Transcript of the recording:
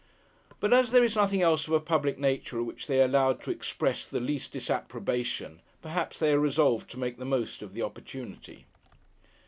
But, as there is nothing else of a public nature at which they are allowed to express the least disapprobation, perhaps they are resolved to make the most of this opportunity.